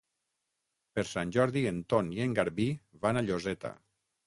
Per Sant Jordi en Ton i en Garbí van a Lloseta.